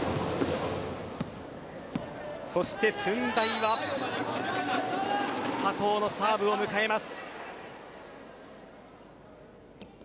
そして駿台は佐藤のサーブを迎えます。